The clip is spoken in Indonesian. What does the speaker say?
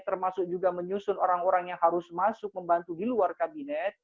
termasuk juga menyusun orang orang yang harus masuk membantu di luar kabinet